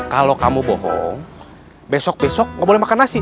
kalau kamu bohong besok besok nggak boleh makan nasi